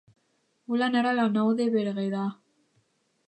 Vull anar a La Nou de Berguedà